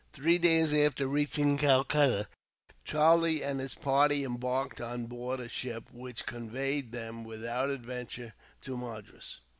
Three days after reaching Calcutta, Charlie and his party embarked on board a ship, which conveyed them without adventure to Madras.